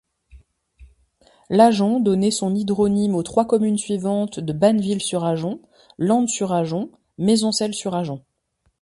L'Ajon donné son hydronyme aux trois communes suivantes de Banneville-sur-Ajon, Landes-sur-Ajon, Maisoncelles-sur-Ajon.